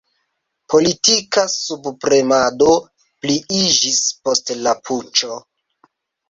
Politika subpremado pliiĝis post la puĉo.